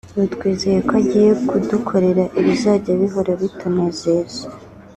ubu twizeye ko agiye kudukorera ibizajya bihora bitunezeza